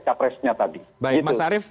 capresnya tadi baik mas arief